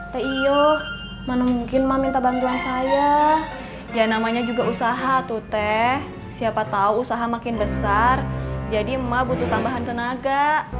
teguh mana mungkin ma minta bantuan saya ya namanya juga usaha tuh teh siapa tahu usaha makin besar jadi ma butuh tambahan tenaga